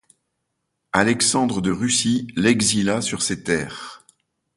Alexandre de Russie l'exila sur ses terres.